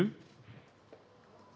sempat menabrak anggota